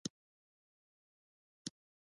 ایا پوهیږئ چې خواړه څومره مهم دي؟